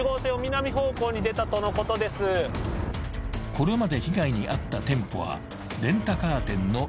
［これまで被害に遭った店舗はレンタカー店の西側］